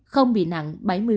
không bị nặng bảy mươi